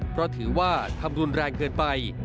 เพราะถือว่าทำรุนแรงเกินไป